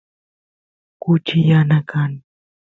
kuchi yana kan